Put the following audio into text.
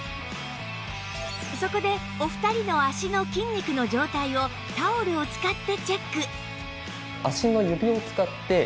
そこでお二人の脚の筋肉の状態をタオルを使ってチェック